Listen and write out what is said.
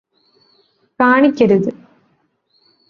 കാണിക്കരുത്